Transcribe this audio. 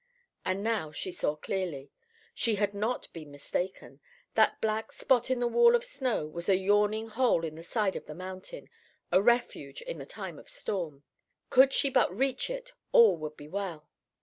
And now she saw clearly. She had not been mistaken. That black spot in the wall of snow was a yawning hole in the side of the mountain, a refuge in the time of storm. Could she but reach it, all would be well.